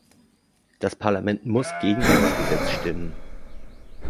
Das Parlament muss gegen dieses Gesetz stimmen.